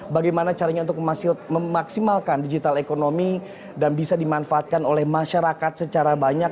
bagaimana caranya untuk memaksimalkan digital ekonomi dan bisa dimanfaatkan oleh masyarakat secara banyak